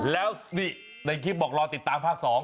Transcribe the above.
ในคลิปบอกติดตามภาคสอง